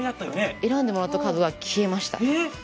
選んでもらったカードが消えました。